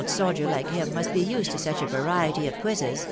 Antldd^Wier tike him must be used to such ^variety <rf quiaBes